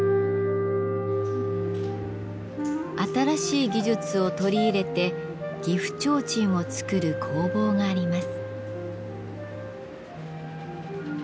新しい技術を取り入れて岐阜提灯を作る工房があります。